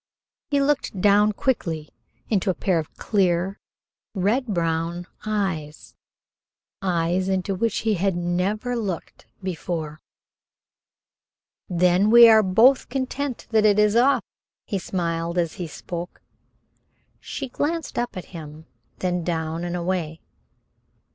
He looked down quickly into a pair of clear, red brown eyes eyes into which he had never looked before. "Then we are both content that it is off." He smiled as he spoke. She glanced up at him, then down and away.